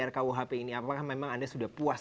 rkuhp ini apakah memang anda sudah puas